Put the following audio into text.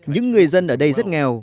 những người dân ở đây rất nghèo